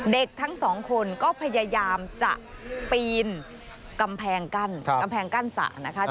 เด็กทั้ง๒คนก็พยายามจะปีนกำแพงกั้นสระ